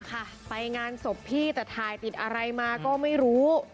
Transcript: ค่ะไปงานศพพี่แต่ถ่ายติดอะไรมาก็ไม่รู้